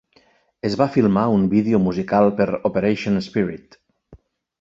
Es va filmar un vídeo musical per "Operation Spirit".